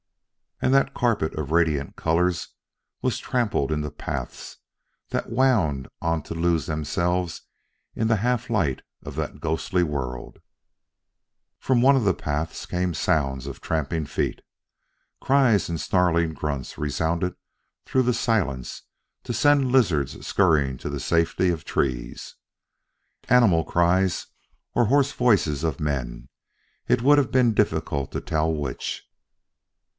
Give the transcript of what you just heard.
And that carpet of radiant colors was trampled into paths that wound on to lose themselves in the half light of that ghostly world. From one of the paths came sounds of tramping feet. Cries and snarling grunts resounded through the silence to send lizards scurrying to the safety of the trees. Animal cries or hoarse voices of men it would have been difficult to tell which.